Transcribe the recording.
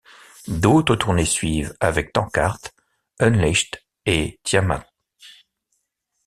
D'autres tournées suivent, avec Tankard, Unleashed et Tiamat.